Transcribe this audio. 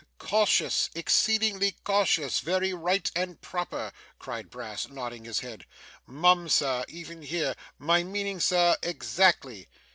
'Cautious, exceedingly cautious, very right and proper!' cried Brass, nodding his head. 'Mum, sir, even here my meaning, sir, exactly.